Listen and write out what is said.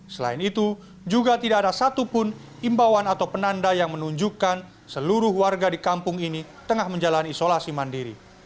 selain itu juga tidak ada satupun imbauan atau penanda yang menunjukkan seluruh warga di kampung ini tengah menjalani isolasi mandiri